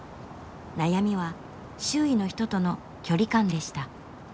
悩みは周囲の人との距離感でした。